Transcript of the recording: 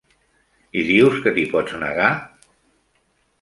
I dius que t'hi pots negar?